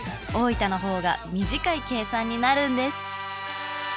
大分の方が短い計算になるんです。